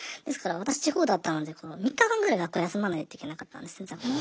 ですから私地方だったので３日間ぐらい学校休まないといけなかったんです。